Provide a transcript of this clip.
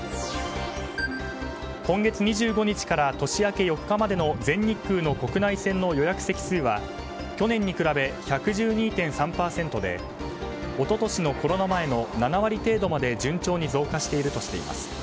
今月２５日から年明け４日までの全日空の国内線の予約席数は去年に比べ１１２．３％で一昨年のコロナ前の７割程度まで順調に増加しているといいます。